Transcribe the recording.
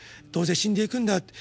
どうせ死んでいくんだ。